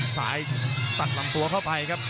ตัดลำตัวเข้าไปครับ